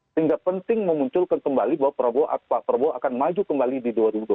sehingga penting memunculkan kembali bahwa pak prabowo akan maju kembali di dua ribu dua puluh